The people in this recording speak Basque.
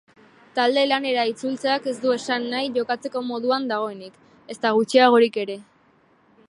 Talde-lanera itzultzeak ez du esan nahi jokatzeko moduan dagoenik, ezta gutxiagorik ere.